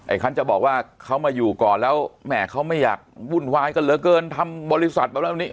คันจะบอกว่าเขามาอยู่ก่อนแล้วแม่เขาไม่อยากวุ่นวายกันเหลือเกินทำบริษัทมาแล้วนี้